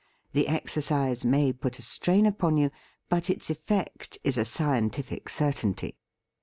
The exercise may put a strain upon you; but its effect is a scientific certainty.